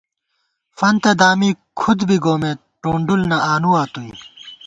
فنتہ دامی کھُد بی گومېت ٹونڈُل نہ آنُوا توئیں